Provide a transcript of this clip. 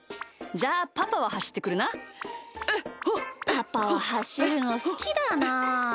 パパははしるのすきだな。